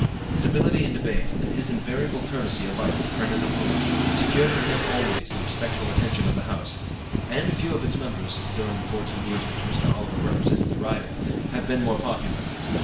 His ability in debate, and his invariable courtesy alike to friend and opponent, secured for him always the respectful attention of the House, and few of its members, during the fourteen years which Mr. Oliver represented the riding, have been more popular.